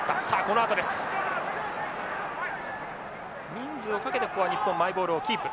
人数をかけてここは日本マイボールをキープ。